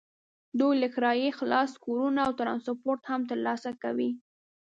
دوی له کرایې خلاص کورونه او ټرانسپورټ هم ترلاسه کوي.